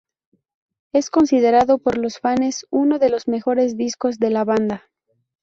Es considerado por los fanes uno de los mejores discos de la banda.